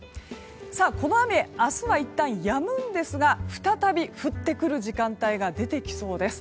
この雨明日はいったんやむんですが再び降ってくる時間帯が出てきそうです。